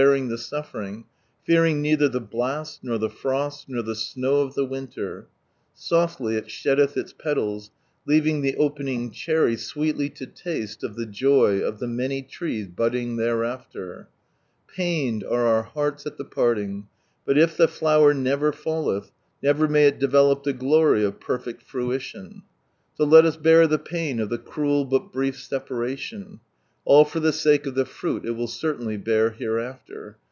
niig the sufTenng, Fearing neither llic hlasl, nor llie frosl, noi the snow of the ivinler, Softly it sheddeth its [letnls, leaving the opening chetry Sweelly lo taste of the joy of the many trees budding thereafter. t the porting, but if the flower never fBllelh, Never may it develop the gloty of perfect fruition. So let us bear the pain of the cruel but brief separalion, All (or [he sake of the fruit it will certainly bear hereafter.